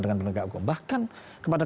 dengan penegak hukum bahkan kepada